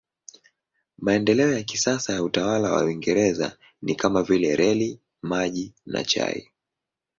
Maendeleo ya kisasa ya utawala wa Uingereza ni kama vile reli, maji na chai.